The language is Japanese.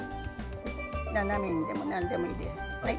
斜めにでも何でもいいです。